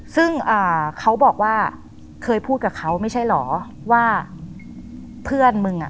ซึ่งอ่าเขาบอกว่าเคยพูดกับเขาไม่ใช่เหรอว่าเพื่อนมึงอ่ะ